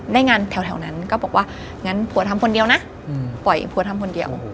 ได้งานแถวนั้นก็บอกว่างั้นผัวทำคนเดียวนะปล่อยผัวทำคนเดียว